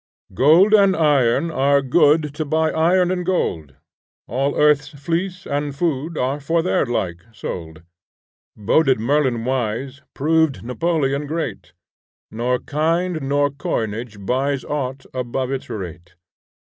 Gold and iron are good To buy iron and gold; All earth's fleece and food For their like are sold. Boded Merlin wise, Proved Napoleon great, Nor kind nor coinage buys Aught above its rate.